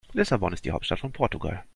Lissabon ist die Hauptstadt von Portugal.